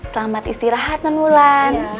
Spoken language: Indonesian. selamat istirahat non mulan